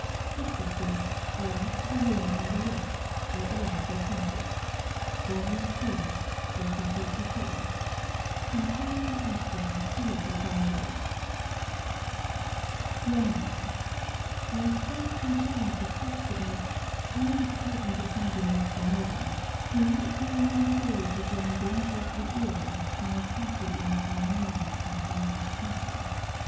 But marry me she must and shall, by G d! FILMAR LETTER XXXIV FROM CAROLINE ASHBURN TO LADY BARLOWE Dear Madam, By a strange concurrence of accidents I am at present attending Mr. Murden, who during many days has lain dangerously ill in a small country inn nine miles from Valmont castle.